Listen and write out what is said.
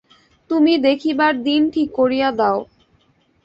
তুমি দেখিবার দিন ঠিক করিয়া দাও।